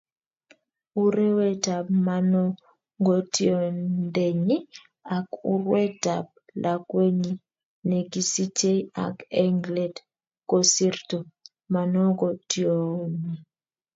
Urewetab manongotiondenyi ak urwetab lakwenyi ne kisichei ak eng let kosirto manogotionyi